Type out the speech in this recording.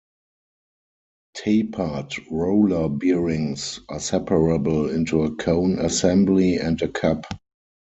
Tapered roller bearings are separable into a cone assembly and a cup.